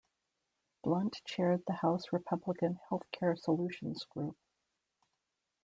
Blunt chaired the House Republican Health Care Solutions Group.